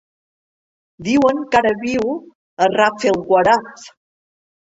Diuen que ara viu a Rafelguaraf.